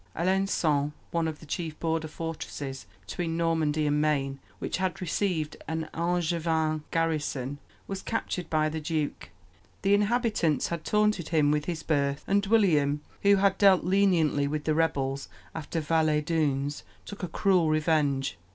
Alençon, one of the chief border fortresses between Normandy and Maine, which had received an Angevin garrison, was captured by the duke. The inhabitants had taunted him with his birth, and William, who had dealt leniently with the rebels after Val es Dunes, took a cruel revenge.